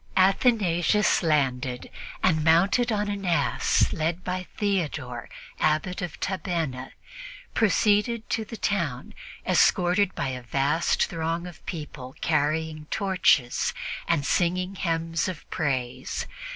Athanasius landed and, mounted on an ass led by Theodore, Abbot of Tabenna, proceeded to the town escorted by a vast throng of people carrying torches and singing hymns of praise.